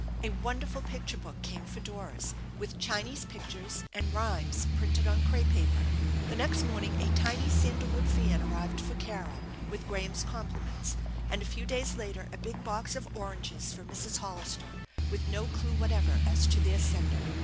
A wonderful picture book came for Doris, with Chinese pictures, and rhymes printed on crepe paper. The next morning a tiny sandalwood fan arrived for Carol with Graham's compli ments, and a few days later a big box of oranges for Mrs. Hollister with no clew whatever as to their sender.